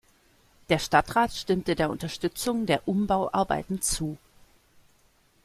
Der Stadtrat stimmte der Unterstützung der Umbauarbeiten zu.